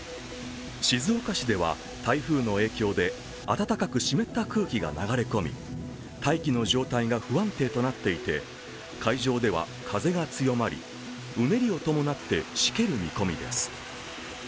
静岡市では、台風の影響で暖かく湿った空気が流れ込み大気の状態が不安定となっていて海上では風が強まり、うねりを伴ってしける見込みです。